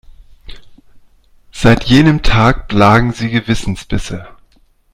Seit jenem Tag plagen sie Gewissensbisse.